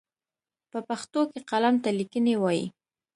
په پښتو کې قلم ته ليکنی وايي.